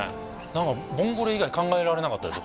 何かボンゴレ以外考えられなかったです